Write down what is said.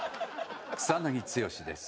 草剛です。